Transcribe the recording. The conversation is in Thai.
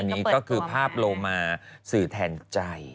อันนี้ก็คือภาพโลมาสื่อแทนใจ